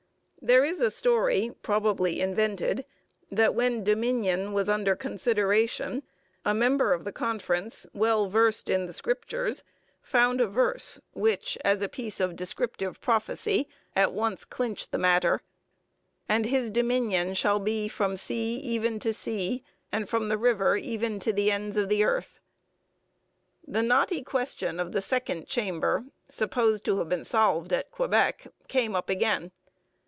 There is a story, probably invented, that when 'Dominion' was under consideration, a member of the conference, well versed in the Scriptures, found a verse which, as a piece of descriptive prophecy, at once clinched the matter: 'And his dominion shall be from sea even to sea, and from the river even to the ends of the earth.' The knotty question of the second chamber, supposed to have been solved at Quebec, came up again.